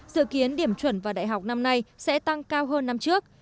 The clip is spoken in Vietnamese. dự kiến điểm chuẩn vào đại học năm nay sẽ tăng cao hơn năm trước